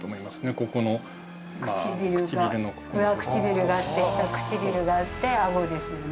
ここの上唇があって下唇があって顎ですよね